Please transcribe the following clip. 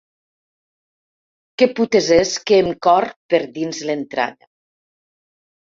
Que putes és que em corr per dins l’entranya.